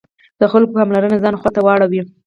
د خلکو پاملرنه ځان خواته واړوي.